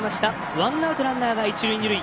ワンアウト、ランナーが一塁二塁。